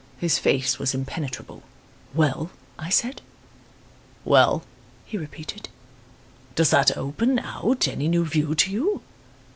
His face was impenetrable. "'Well?' I said. "'Well?' he repeated. "'Does that open out any new view to you?